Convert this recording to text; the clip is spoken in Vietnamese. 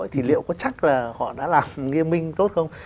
thì liệu có chắc là họ đã làm nghiêm minh tốt không